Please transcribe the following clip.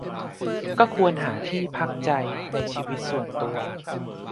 ก็ควรหาที่พักใจในชีวิตส่วนตัว